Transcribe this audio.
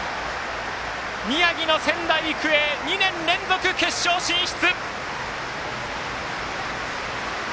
宮城の仙台育英２年連続、決勝進出！